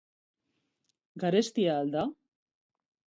Garestia al da?